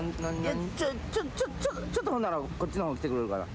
いやちょちょっとほんならこっちの方来てくれるかな。